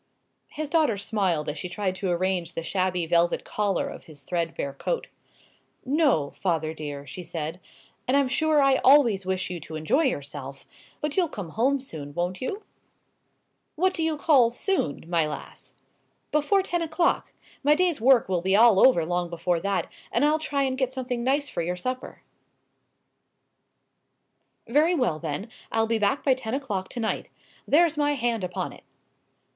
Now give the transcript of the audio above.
His daughter smiled as she tried to arrange the shabby velvet collar of his threadbare coat. "No, father dear," she said; "and I'm sure I always wish you to enjoy yourself. But you'll come home soon, won't you?" "What do you call 'soon,' my lass?" "Before ten o'clock. My day's work will be all over long before that, and I'll try and get something nice for your supper." "Very well, then, I'll be back by ten o'clock to night. There's my hand upon it."